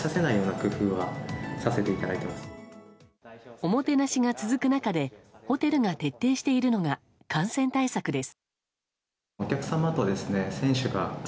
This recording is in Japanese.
おもてなしが続く中でホテルが徹底しているのが感染対策です。